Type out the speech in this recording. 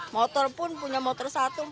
motor pun punya motor satu